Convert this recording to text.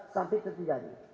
sampai ketika ini